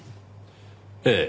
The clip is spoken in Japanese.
ええ。